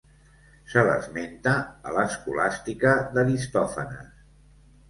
Se l'esmenta a l'Escolàstica d'Aristòfanes.